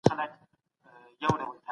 بې تعليمه ټولنه د پرمختګ خوب نه سي ليدلی.